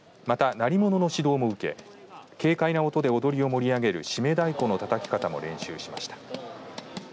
また、鳴り物の指導も受け軽快な音で踊りを盛り上げる締め太鼓のたたき方も練習しました。